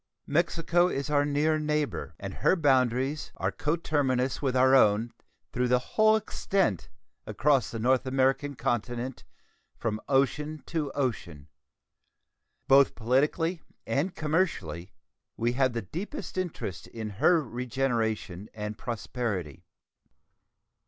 Mexico is our near neighbor, and her boundaries are coterminous with our own through the whole extent across the North American continent, from ocean to ocean. Both politically and commercially we have the deepest interest in her regeneration and prosperity.